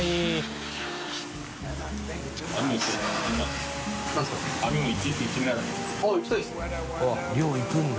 坂井）あっ漁行くんだ。